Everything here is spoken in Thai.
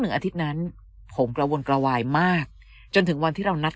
อาทิตย์นั้นผมกระวนกระวายมากจนถึงวันที่เรานัด